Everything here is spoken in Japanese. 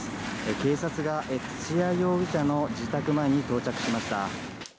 警察が土屋容疑者の自宅前に到着しました。